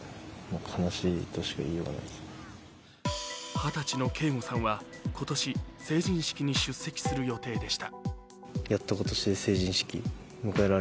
二十歳の啓吾さんは今年、成人式に出席する予定でした。